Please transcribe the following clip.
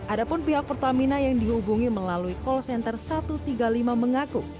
ada pun pihak pertamina yang dihubungi melalui call center satu ratus tiga puluh lima mengaku